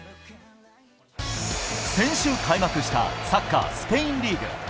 先週開幕したサッカースペインリーグ。